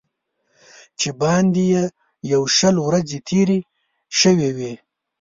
چې باندې یې یو شل ورځې تېرې شوې وې.